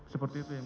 seperti itu yang